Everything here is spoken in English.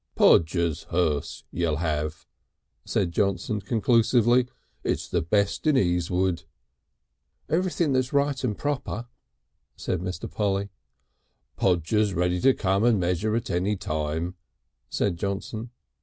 "Podger's hearse you'll have," said Johnson conclusively. "It's the best in Easewood." "Everything that's right and proper," said Mr. Polly. "Podger's ready to come and measure at any time," said Johnson.